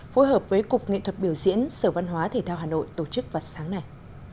phối hợp với cục nghệ thuật biểu diễn sở văn hóa thể thao hà nội tổ chức vào sáng nay